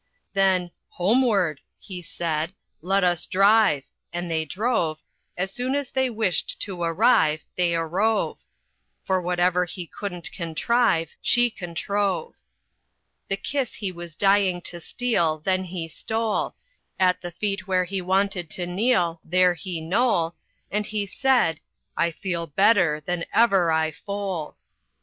Then "Homeward," he said, "let us drive," and they drove, As soon as they wished to arrive they arrove; For whatever he couldn't contrive she controve. The kiss he was dying to steal, then he stole, At the feet where he wanted to kneel, there he knole, And he said, "I feel better than ever I fole."